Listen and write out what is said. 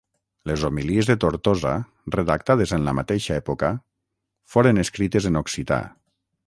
Les Homilies de Tortosa, redactades en aquesta mateixa època, foren escrites en occità.